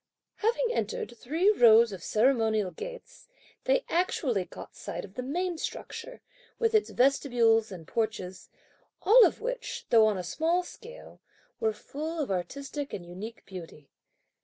Having entered three rows of ceremonial gates they actually caught sight of the main structure, with its vestibules and porches, all of which, though on a small scale, were full of artistic and unique beauty.